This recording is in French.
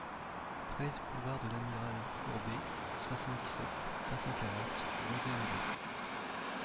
treize boulevard de l'Amiral Courbet, soixante-dix-sept, cinq cent quarante, Rozay-en-Brie